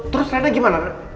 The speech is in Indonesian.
terus rena gimana